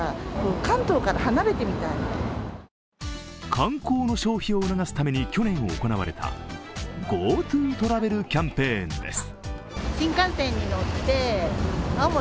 観光の消費を促すために去年行われたＧｏＴｏトラベルキャンペーンです。